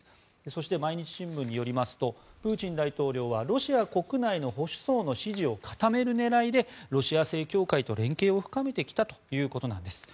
そして、毎日新聞によりますとプーチン大統領はロシア国内の保守層の支持を固める狙いでロシア正教会と連携を深めてきたということなんです。